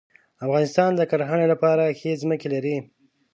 افغانستان د کرهڼې لپاره ښې ځمکې لري.